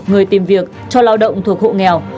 người tìm việc cho lao động thuộc hộ nghèo